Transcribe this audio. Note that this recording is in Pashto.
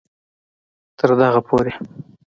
تر دغه پورې